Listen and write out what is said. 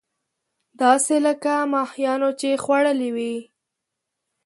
داسې لکه ماهيانو چې خوړلې وي.